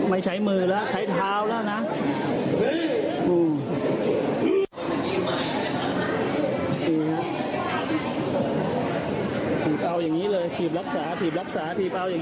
อ่าดูคลิปก่อน